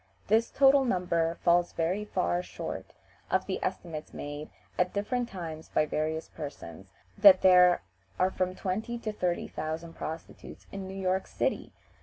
This total number falls very far short of the estimates made at different times by various persons, that there are from twenty to thirty thousand prostitutes in New York City!